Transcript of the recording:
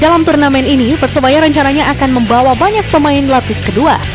dalam turnamen ini persebaya rencananya akan membawa banyak pemain lapis kedua